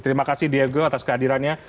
terima kasih diego atas kehadirannya